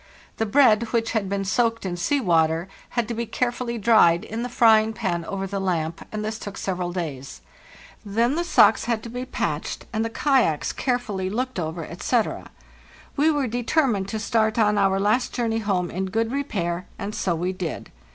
The bread, which had been soaked in sea water, had to be carefully dried in the frying pan over the lamp, and this took several days; then the socks had to be 316 FARTHEST NORTH patched, and the kayaks carefully looked over, etc. We were determined to start on our last journey home in good repair, and so we did.